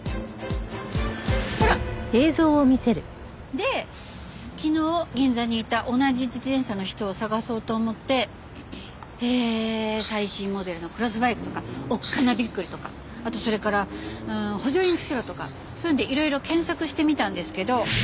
で昨日銀座にいた同じ自転車の人を捜そうと思って「最新モデルのクロスバイク」とか「おっかなびっくり」とかあとそれから「補助輪つけろ」とかそういうのでいろいろ検索してみたんですけど。